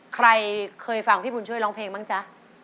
ใครเคยฟังพี่บุญช่วยร้องเพลงบ้างจ๊ะ